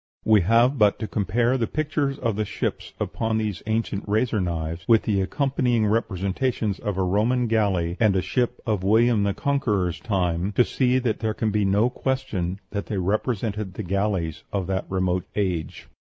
We have but to compare the pictures of the ships upon these ancient razor knives with the accompanying representations of a Roman galley and a ship of William the Conqueror's time, to see that there can be no question that they represented the galleys of that remote age.